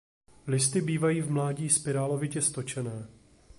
Listy bývají v mládí spirálovitě stočené.